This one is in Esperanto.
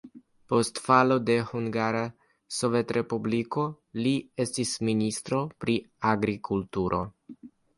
Post falo de Hungara Sovetrespubliko li estis ministro pri agrikulturo.